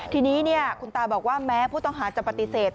ทีนี้คุณตาบอกว่าแม้ผู้ต้องหาจะปฏิเสธ